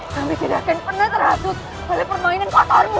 kami tidak akan pernah terhastus oleh permainan kotormu